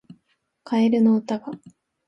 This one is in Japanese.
カエルの歌が